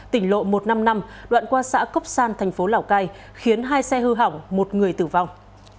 tỉnh lộ một trăm năm mươi năm đoạn qua xã cốc san thành phố lào cai khiến hai xe hư hỏng một người tử vong